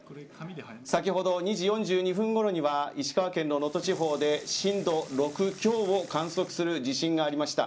先ほど、２時４２分ごろには石川県の能登地方で震度６強を観測する地震がありました。